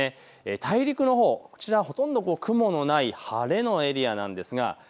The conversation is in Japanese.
大陸のほうはほとんど雲のない晴れのエリアです。